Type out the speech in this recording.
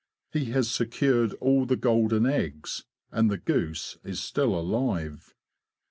He has secured all the golden eggs, and the goose is still alive.